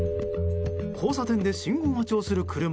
交差点で信号待ちをする車。